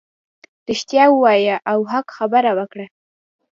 رښتیا ووایه او حق خبرې وکړه .